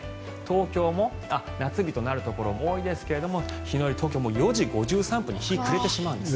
東京も夏日となるところも多いですが日の入り、東京も４時５３分に日が暮れてしまうんです。